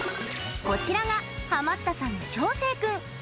こちらがハマったさんの翔星君。